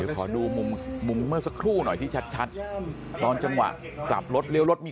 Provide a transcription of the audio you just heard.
ก็ดูมึงแม่สครู่หน่อยที่ชัดตอนจังหวะกลับรถเรียกรถมี